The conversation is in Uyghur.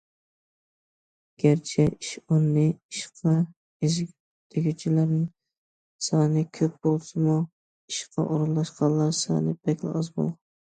گەرچە ئىش ئورنى، ئىشقا ئىزدىگۈچىلەر سانى كۆپ بولسىمۇ، ئىشقا ئورۇنلاشقانلار سانى بەكلا ئاز بولغان.